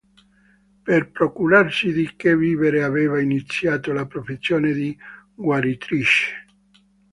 Per procurarsi di che vivere aveva iniziato la professione di guaritrice.